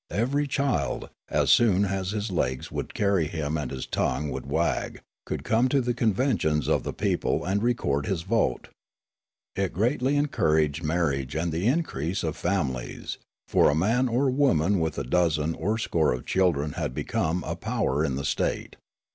Eviery child, as soon as his legs would carry him and his tongue would wag, could come to the conventions of the people and record his vote. It greatly encouraged marriage and the increase of fami lies, for a man or woman with a dozen or score of children had become a power in the state.